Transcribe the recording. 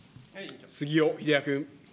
杉尾秀哉君。